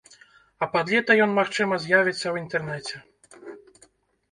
А пад лета ён, магчыма, з'явіцца ў інтэрнэце.